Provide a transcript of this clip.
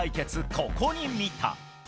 ここに見た。